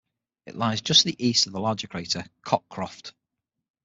It lies just to the east of the larger crater Cockcroft.